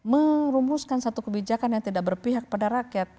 merumuskan satu kebijakan yang tidak berpihak pada rakyat